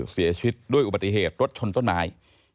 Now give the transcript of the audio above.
เสียชีวิตด้วยอุบัติเหตุรถชนต้นไม้